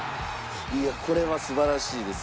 いやこれは素晴らしいです。